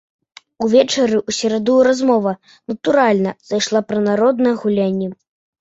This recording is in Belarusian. Увечары ў сераду размова, натуральна, зайшла пра народныя гулянні.